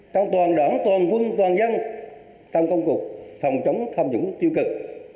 trong toàn đoạn toàn quân toàn dân trong công cục phòng chống tham nhũng tiêu cực